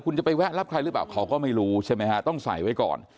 คุณจะไปแวะรับใครหรือเปล่าเขาก็ไม่รู้ใช่ไหมฮะต้องใส่ไว้ก่อน